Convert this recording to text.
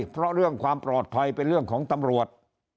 เพราะเรื่องความปลอดภัยเป็นเรื่องของตำรวจ